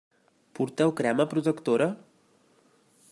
Porteu crema protectora?